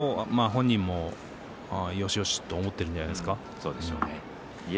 それと本人もよしよしと思ってるんじゃないですか。